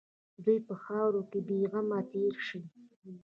دوی په خاوره کې بېغمه تېر شي.